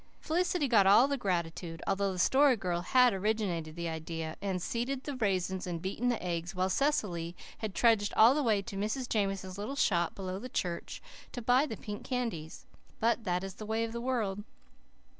Felicity got all the gratitude, although the Story Girl had originated the idea and seeded the raisins and beaten the eggs, while Cecily had trudged all the way to Mrs. Jameson's little shop below the church to buy the pink candies. But that is the way of the world.